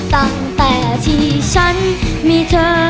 ตั้งแต่ที่ฉันมีเธอ